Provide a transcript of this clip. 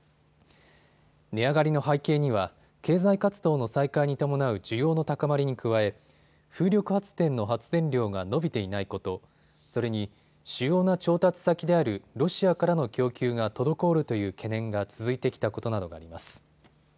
値上がりの背景には経済活動の再開に伴う需要の高まりに加え風力発電の発電量が伸びていないこと、それに主要な調達先であるロシアからの供給が滞るという懸念が続いてきたことなどがあります。